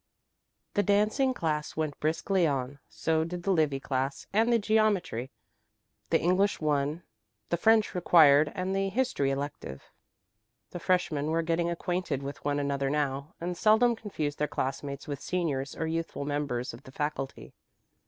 The dancing class went briskly on; so did the Livy class and the geometry, the English 1, the French required and the history elective. The freshmen were getting acquainted with one another now, and seldom confused their classmates with seniors or youthful members of the faculty.